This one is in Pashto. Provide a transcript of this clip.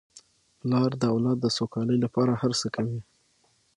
پلار د اولاد د سوکالۍ لپاره هر څه کوي.